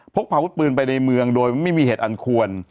พกพาวุธปืนไปในเมืองโดยไม่มีเหตุอันควร